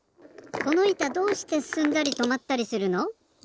このいたどうしてすすんだりとまったりするの？